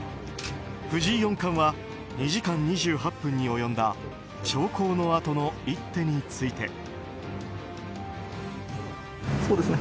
藤井四冠は２時間２８分に及んだ長考のあとの一手について。